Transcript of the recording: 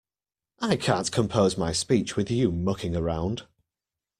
I can't compose my speech with you mucking around.